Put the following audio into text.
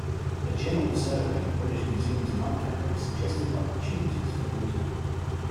A general survey of British museums and art galleries suggested opportunities for looting.